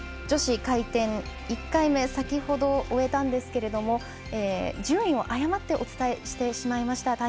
女子回転１回目先ほど、終えたんですけれども順位を誤ってお伝えしてしまいました。